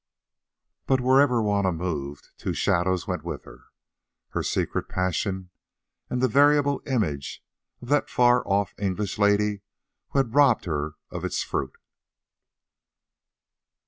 But wherever Juanna moved two shadows went with her—her secret passion and the variable image of that far off English lady who had robbed her of its fruit.